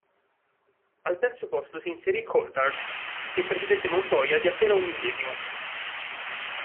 Al terzo posto si inserì Coulthard, che precedette Montoya di appena un millesimo.